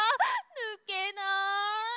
ぬけない！